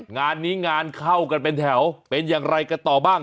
งานนี้งานเข้ากันเป็นแถวเป็นอย่างไรกันต่อบ้าง